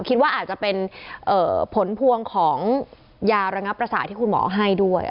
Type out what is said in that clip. คิดว่าอาจจะเป็นอ่าผลพวงของยารังศึกษาที่คุณหมอให้ด้วย